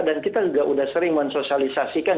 dan kita juga sudah sering mensosialisasikan